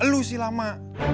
lu si lama